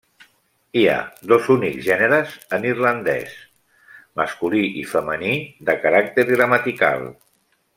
Hi ha dos únics gèneres en irlandès, masculí i femení, de caràcter gramatical.